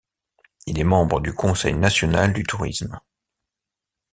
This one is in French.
Il est membre du Conseil national du tourisme.